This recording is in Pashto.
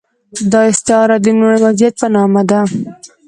دا استعاره د لومړني وضعیت په نامه ده.